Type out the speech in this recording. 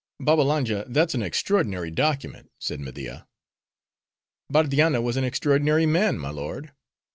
'" "Babbalanja, that's an extraordinary document," said Media. "Bardianna was an extraordinary man, my lord."